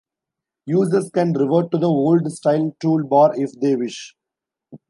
Users can revert to the old-style toolbar if they wish.